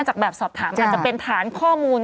จากแบบสอบถามอาจจะเป็นฐานข้อมูล